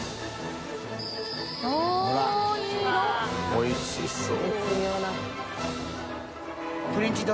おいしそう。